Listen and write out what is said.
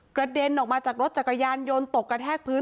เด็นออกมาจากรถจักรยานยนต์ตกกระแทกพื้น